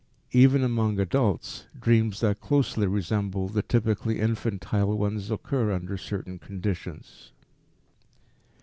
Even among adults, dreams that closely resemble the typically infantile ones occur under certain conditions.